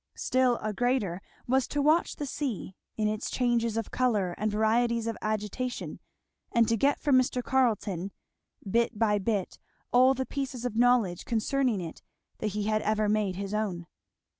Still a greater was to watch the sea, in its changes of colour and varieties of agitation, and to get from Mr. Carleton, bit by bit, all the pieces of knowledge concerning it that he had ever made his own.